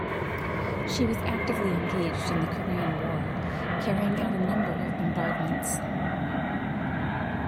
She was actively engaged in the Korean War, carrying out a number of bombardments.